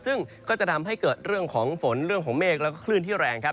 ซึ่งก็จะทำให้เกิดเรื่องของฝนเรื่องของเมฆแล้วก็คลื่นที่แรงครับ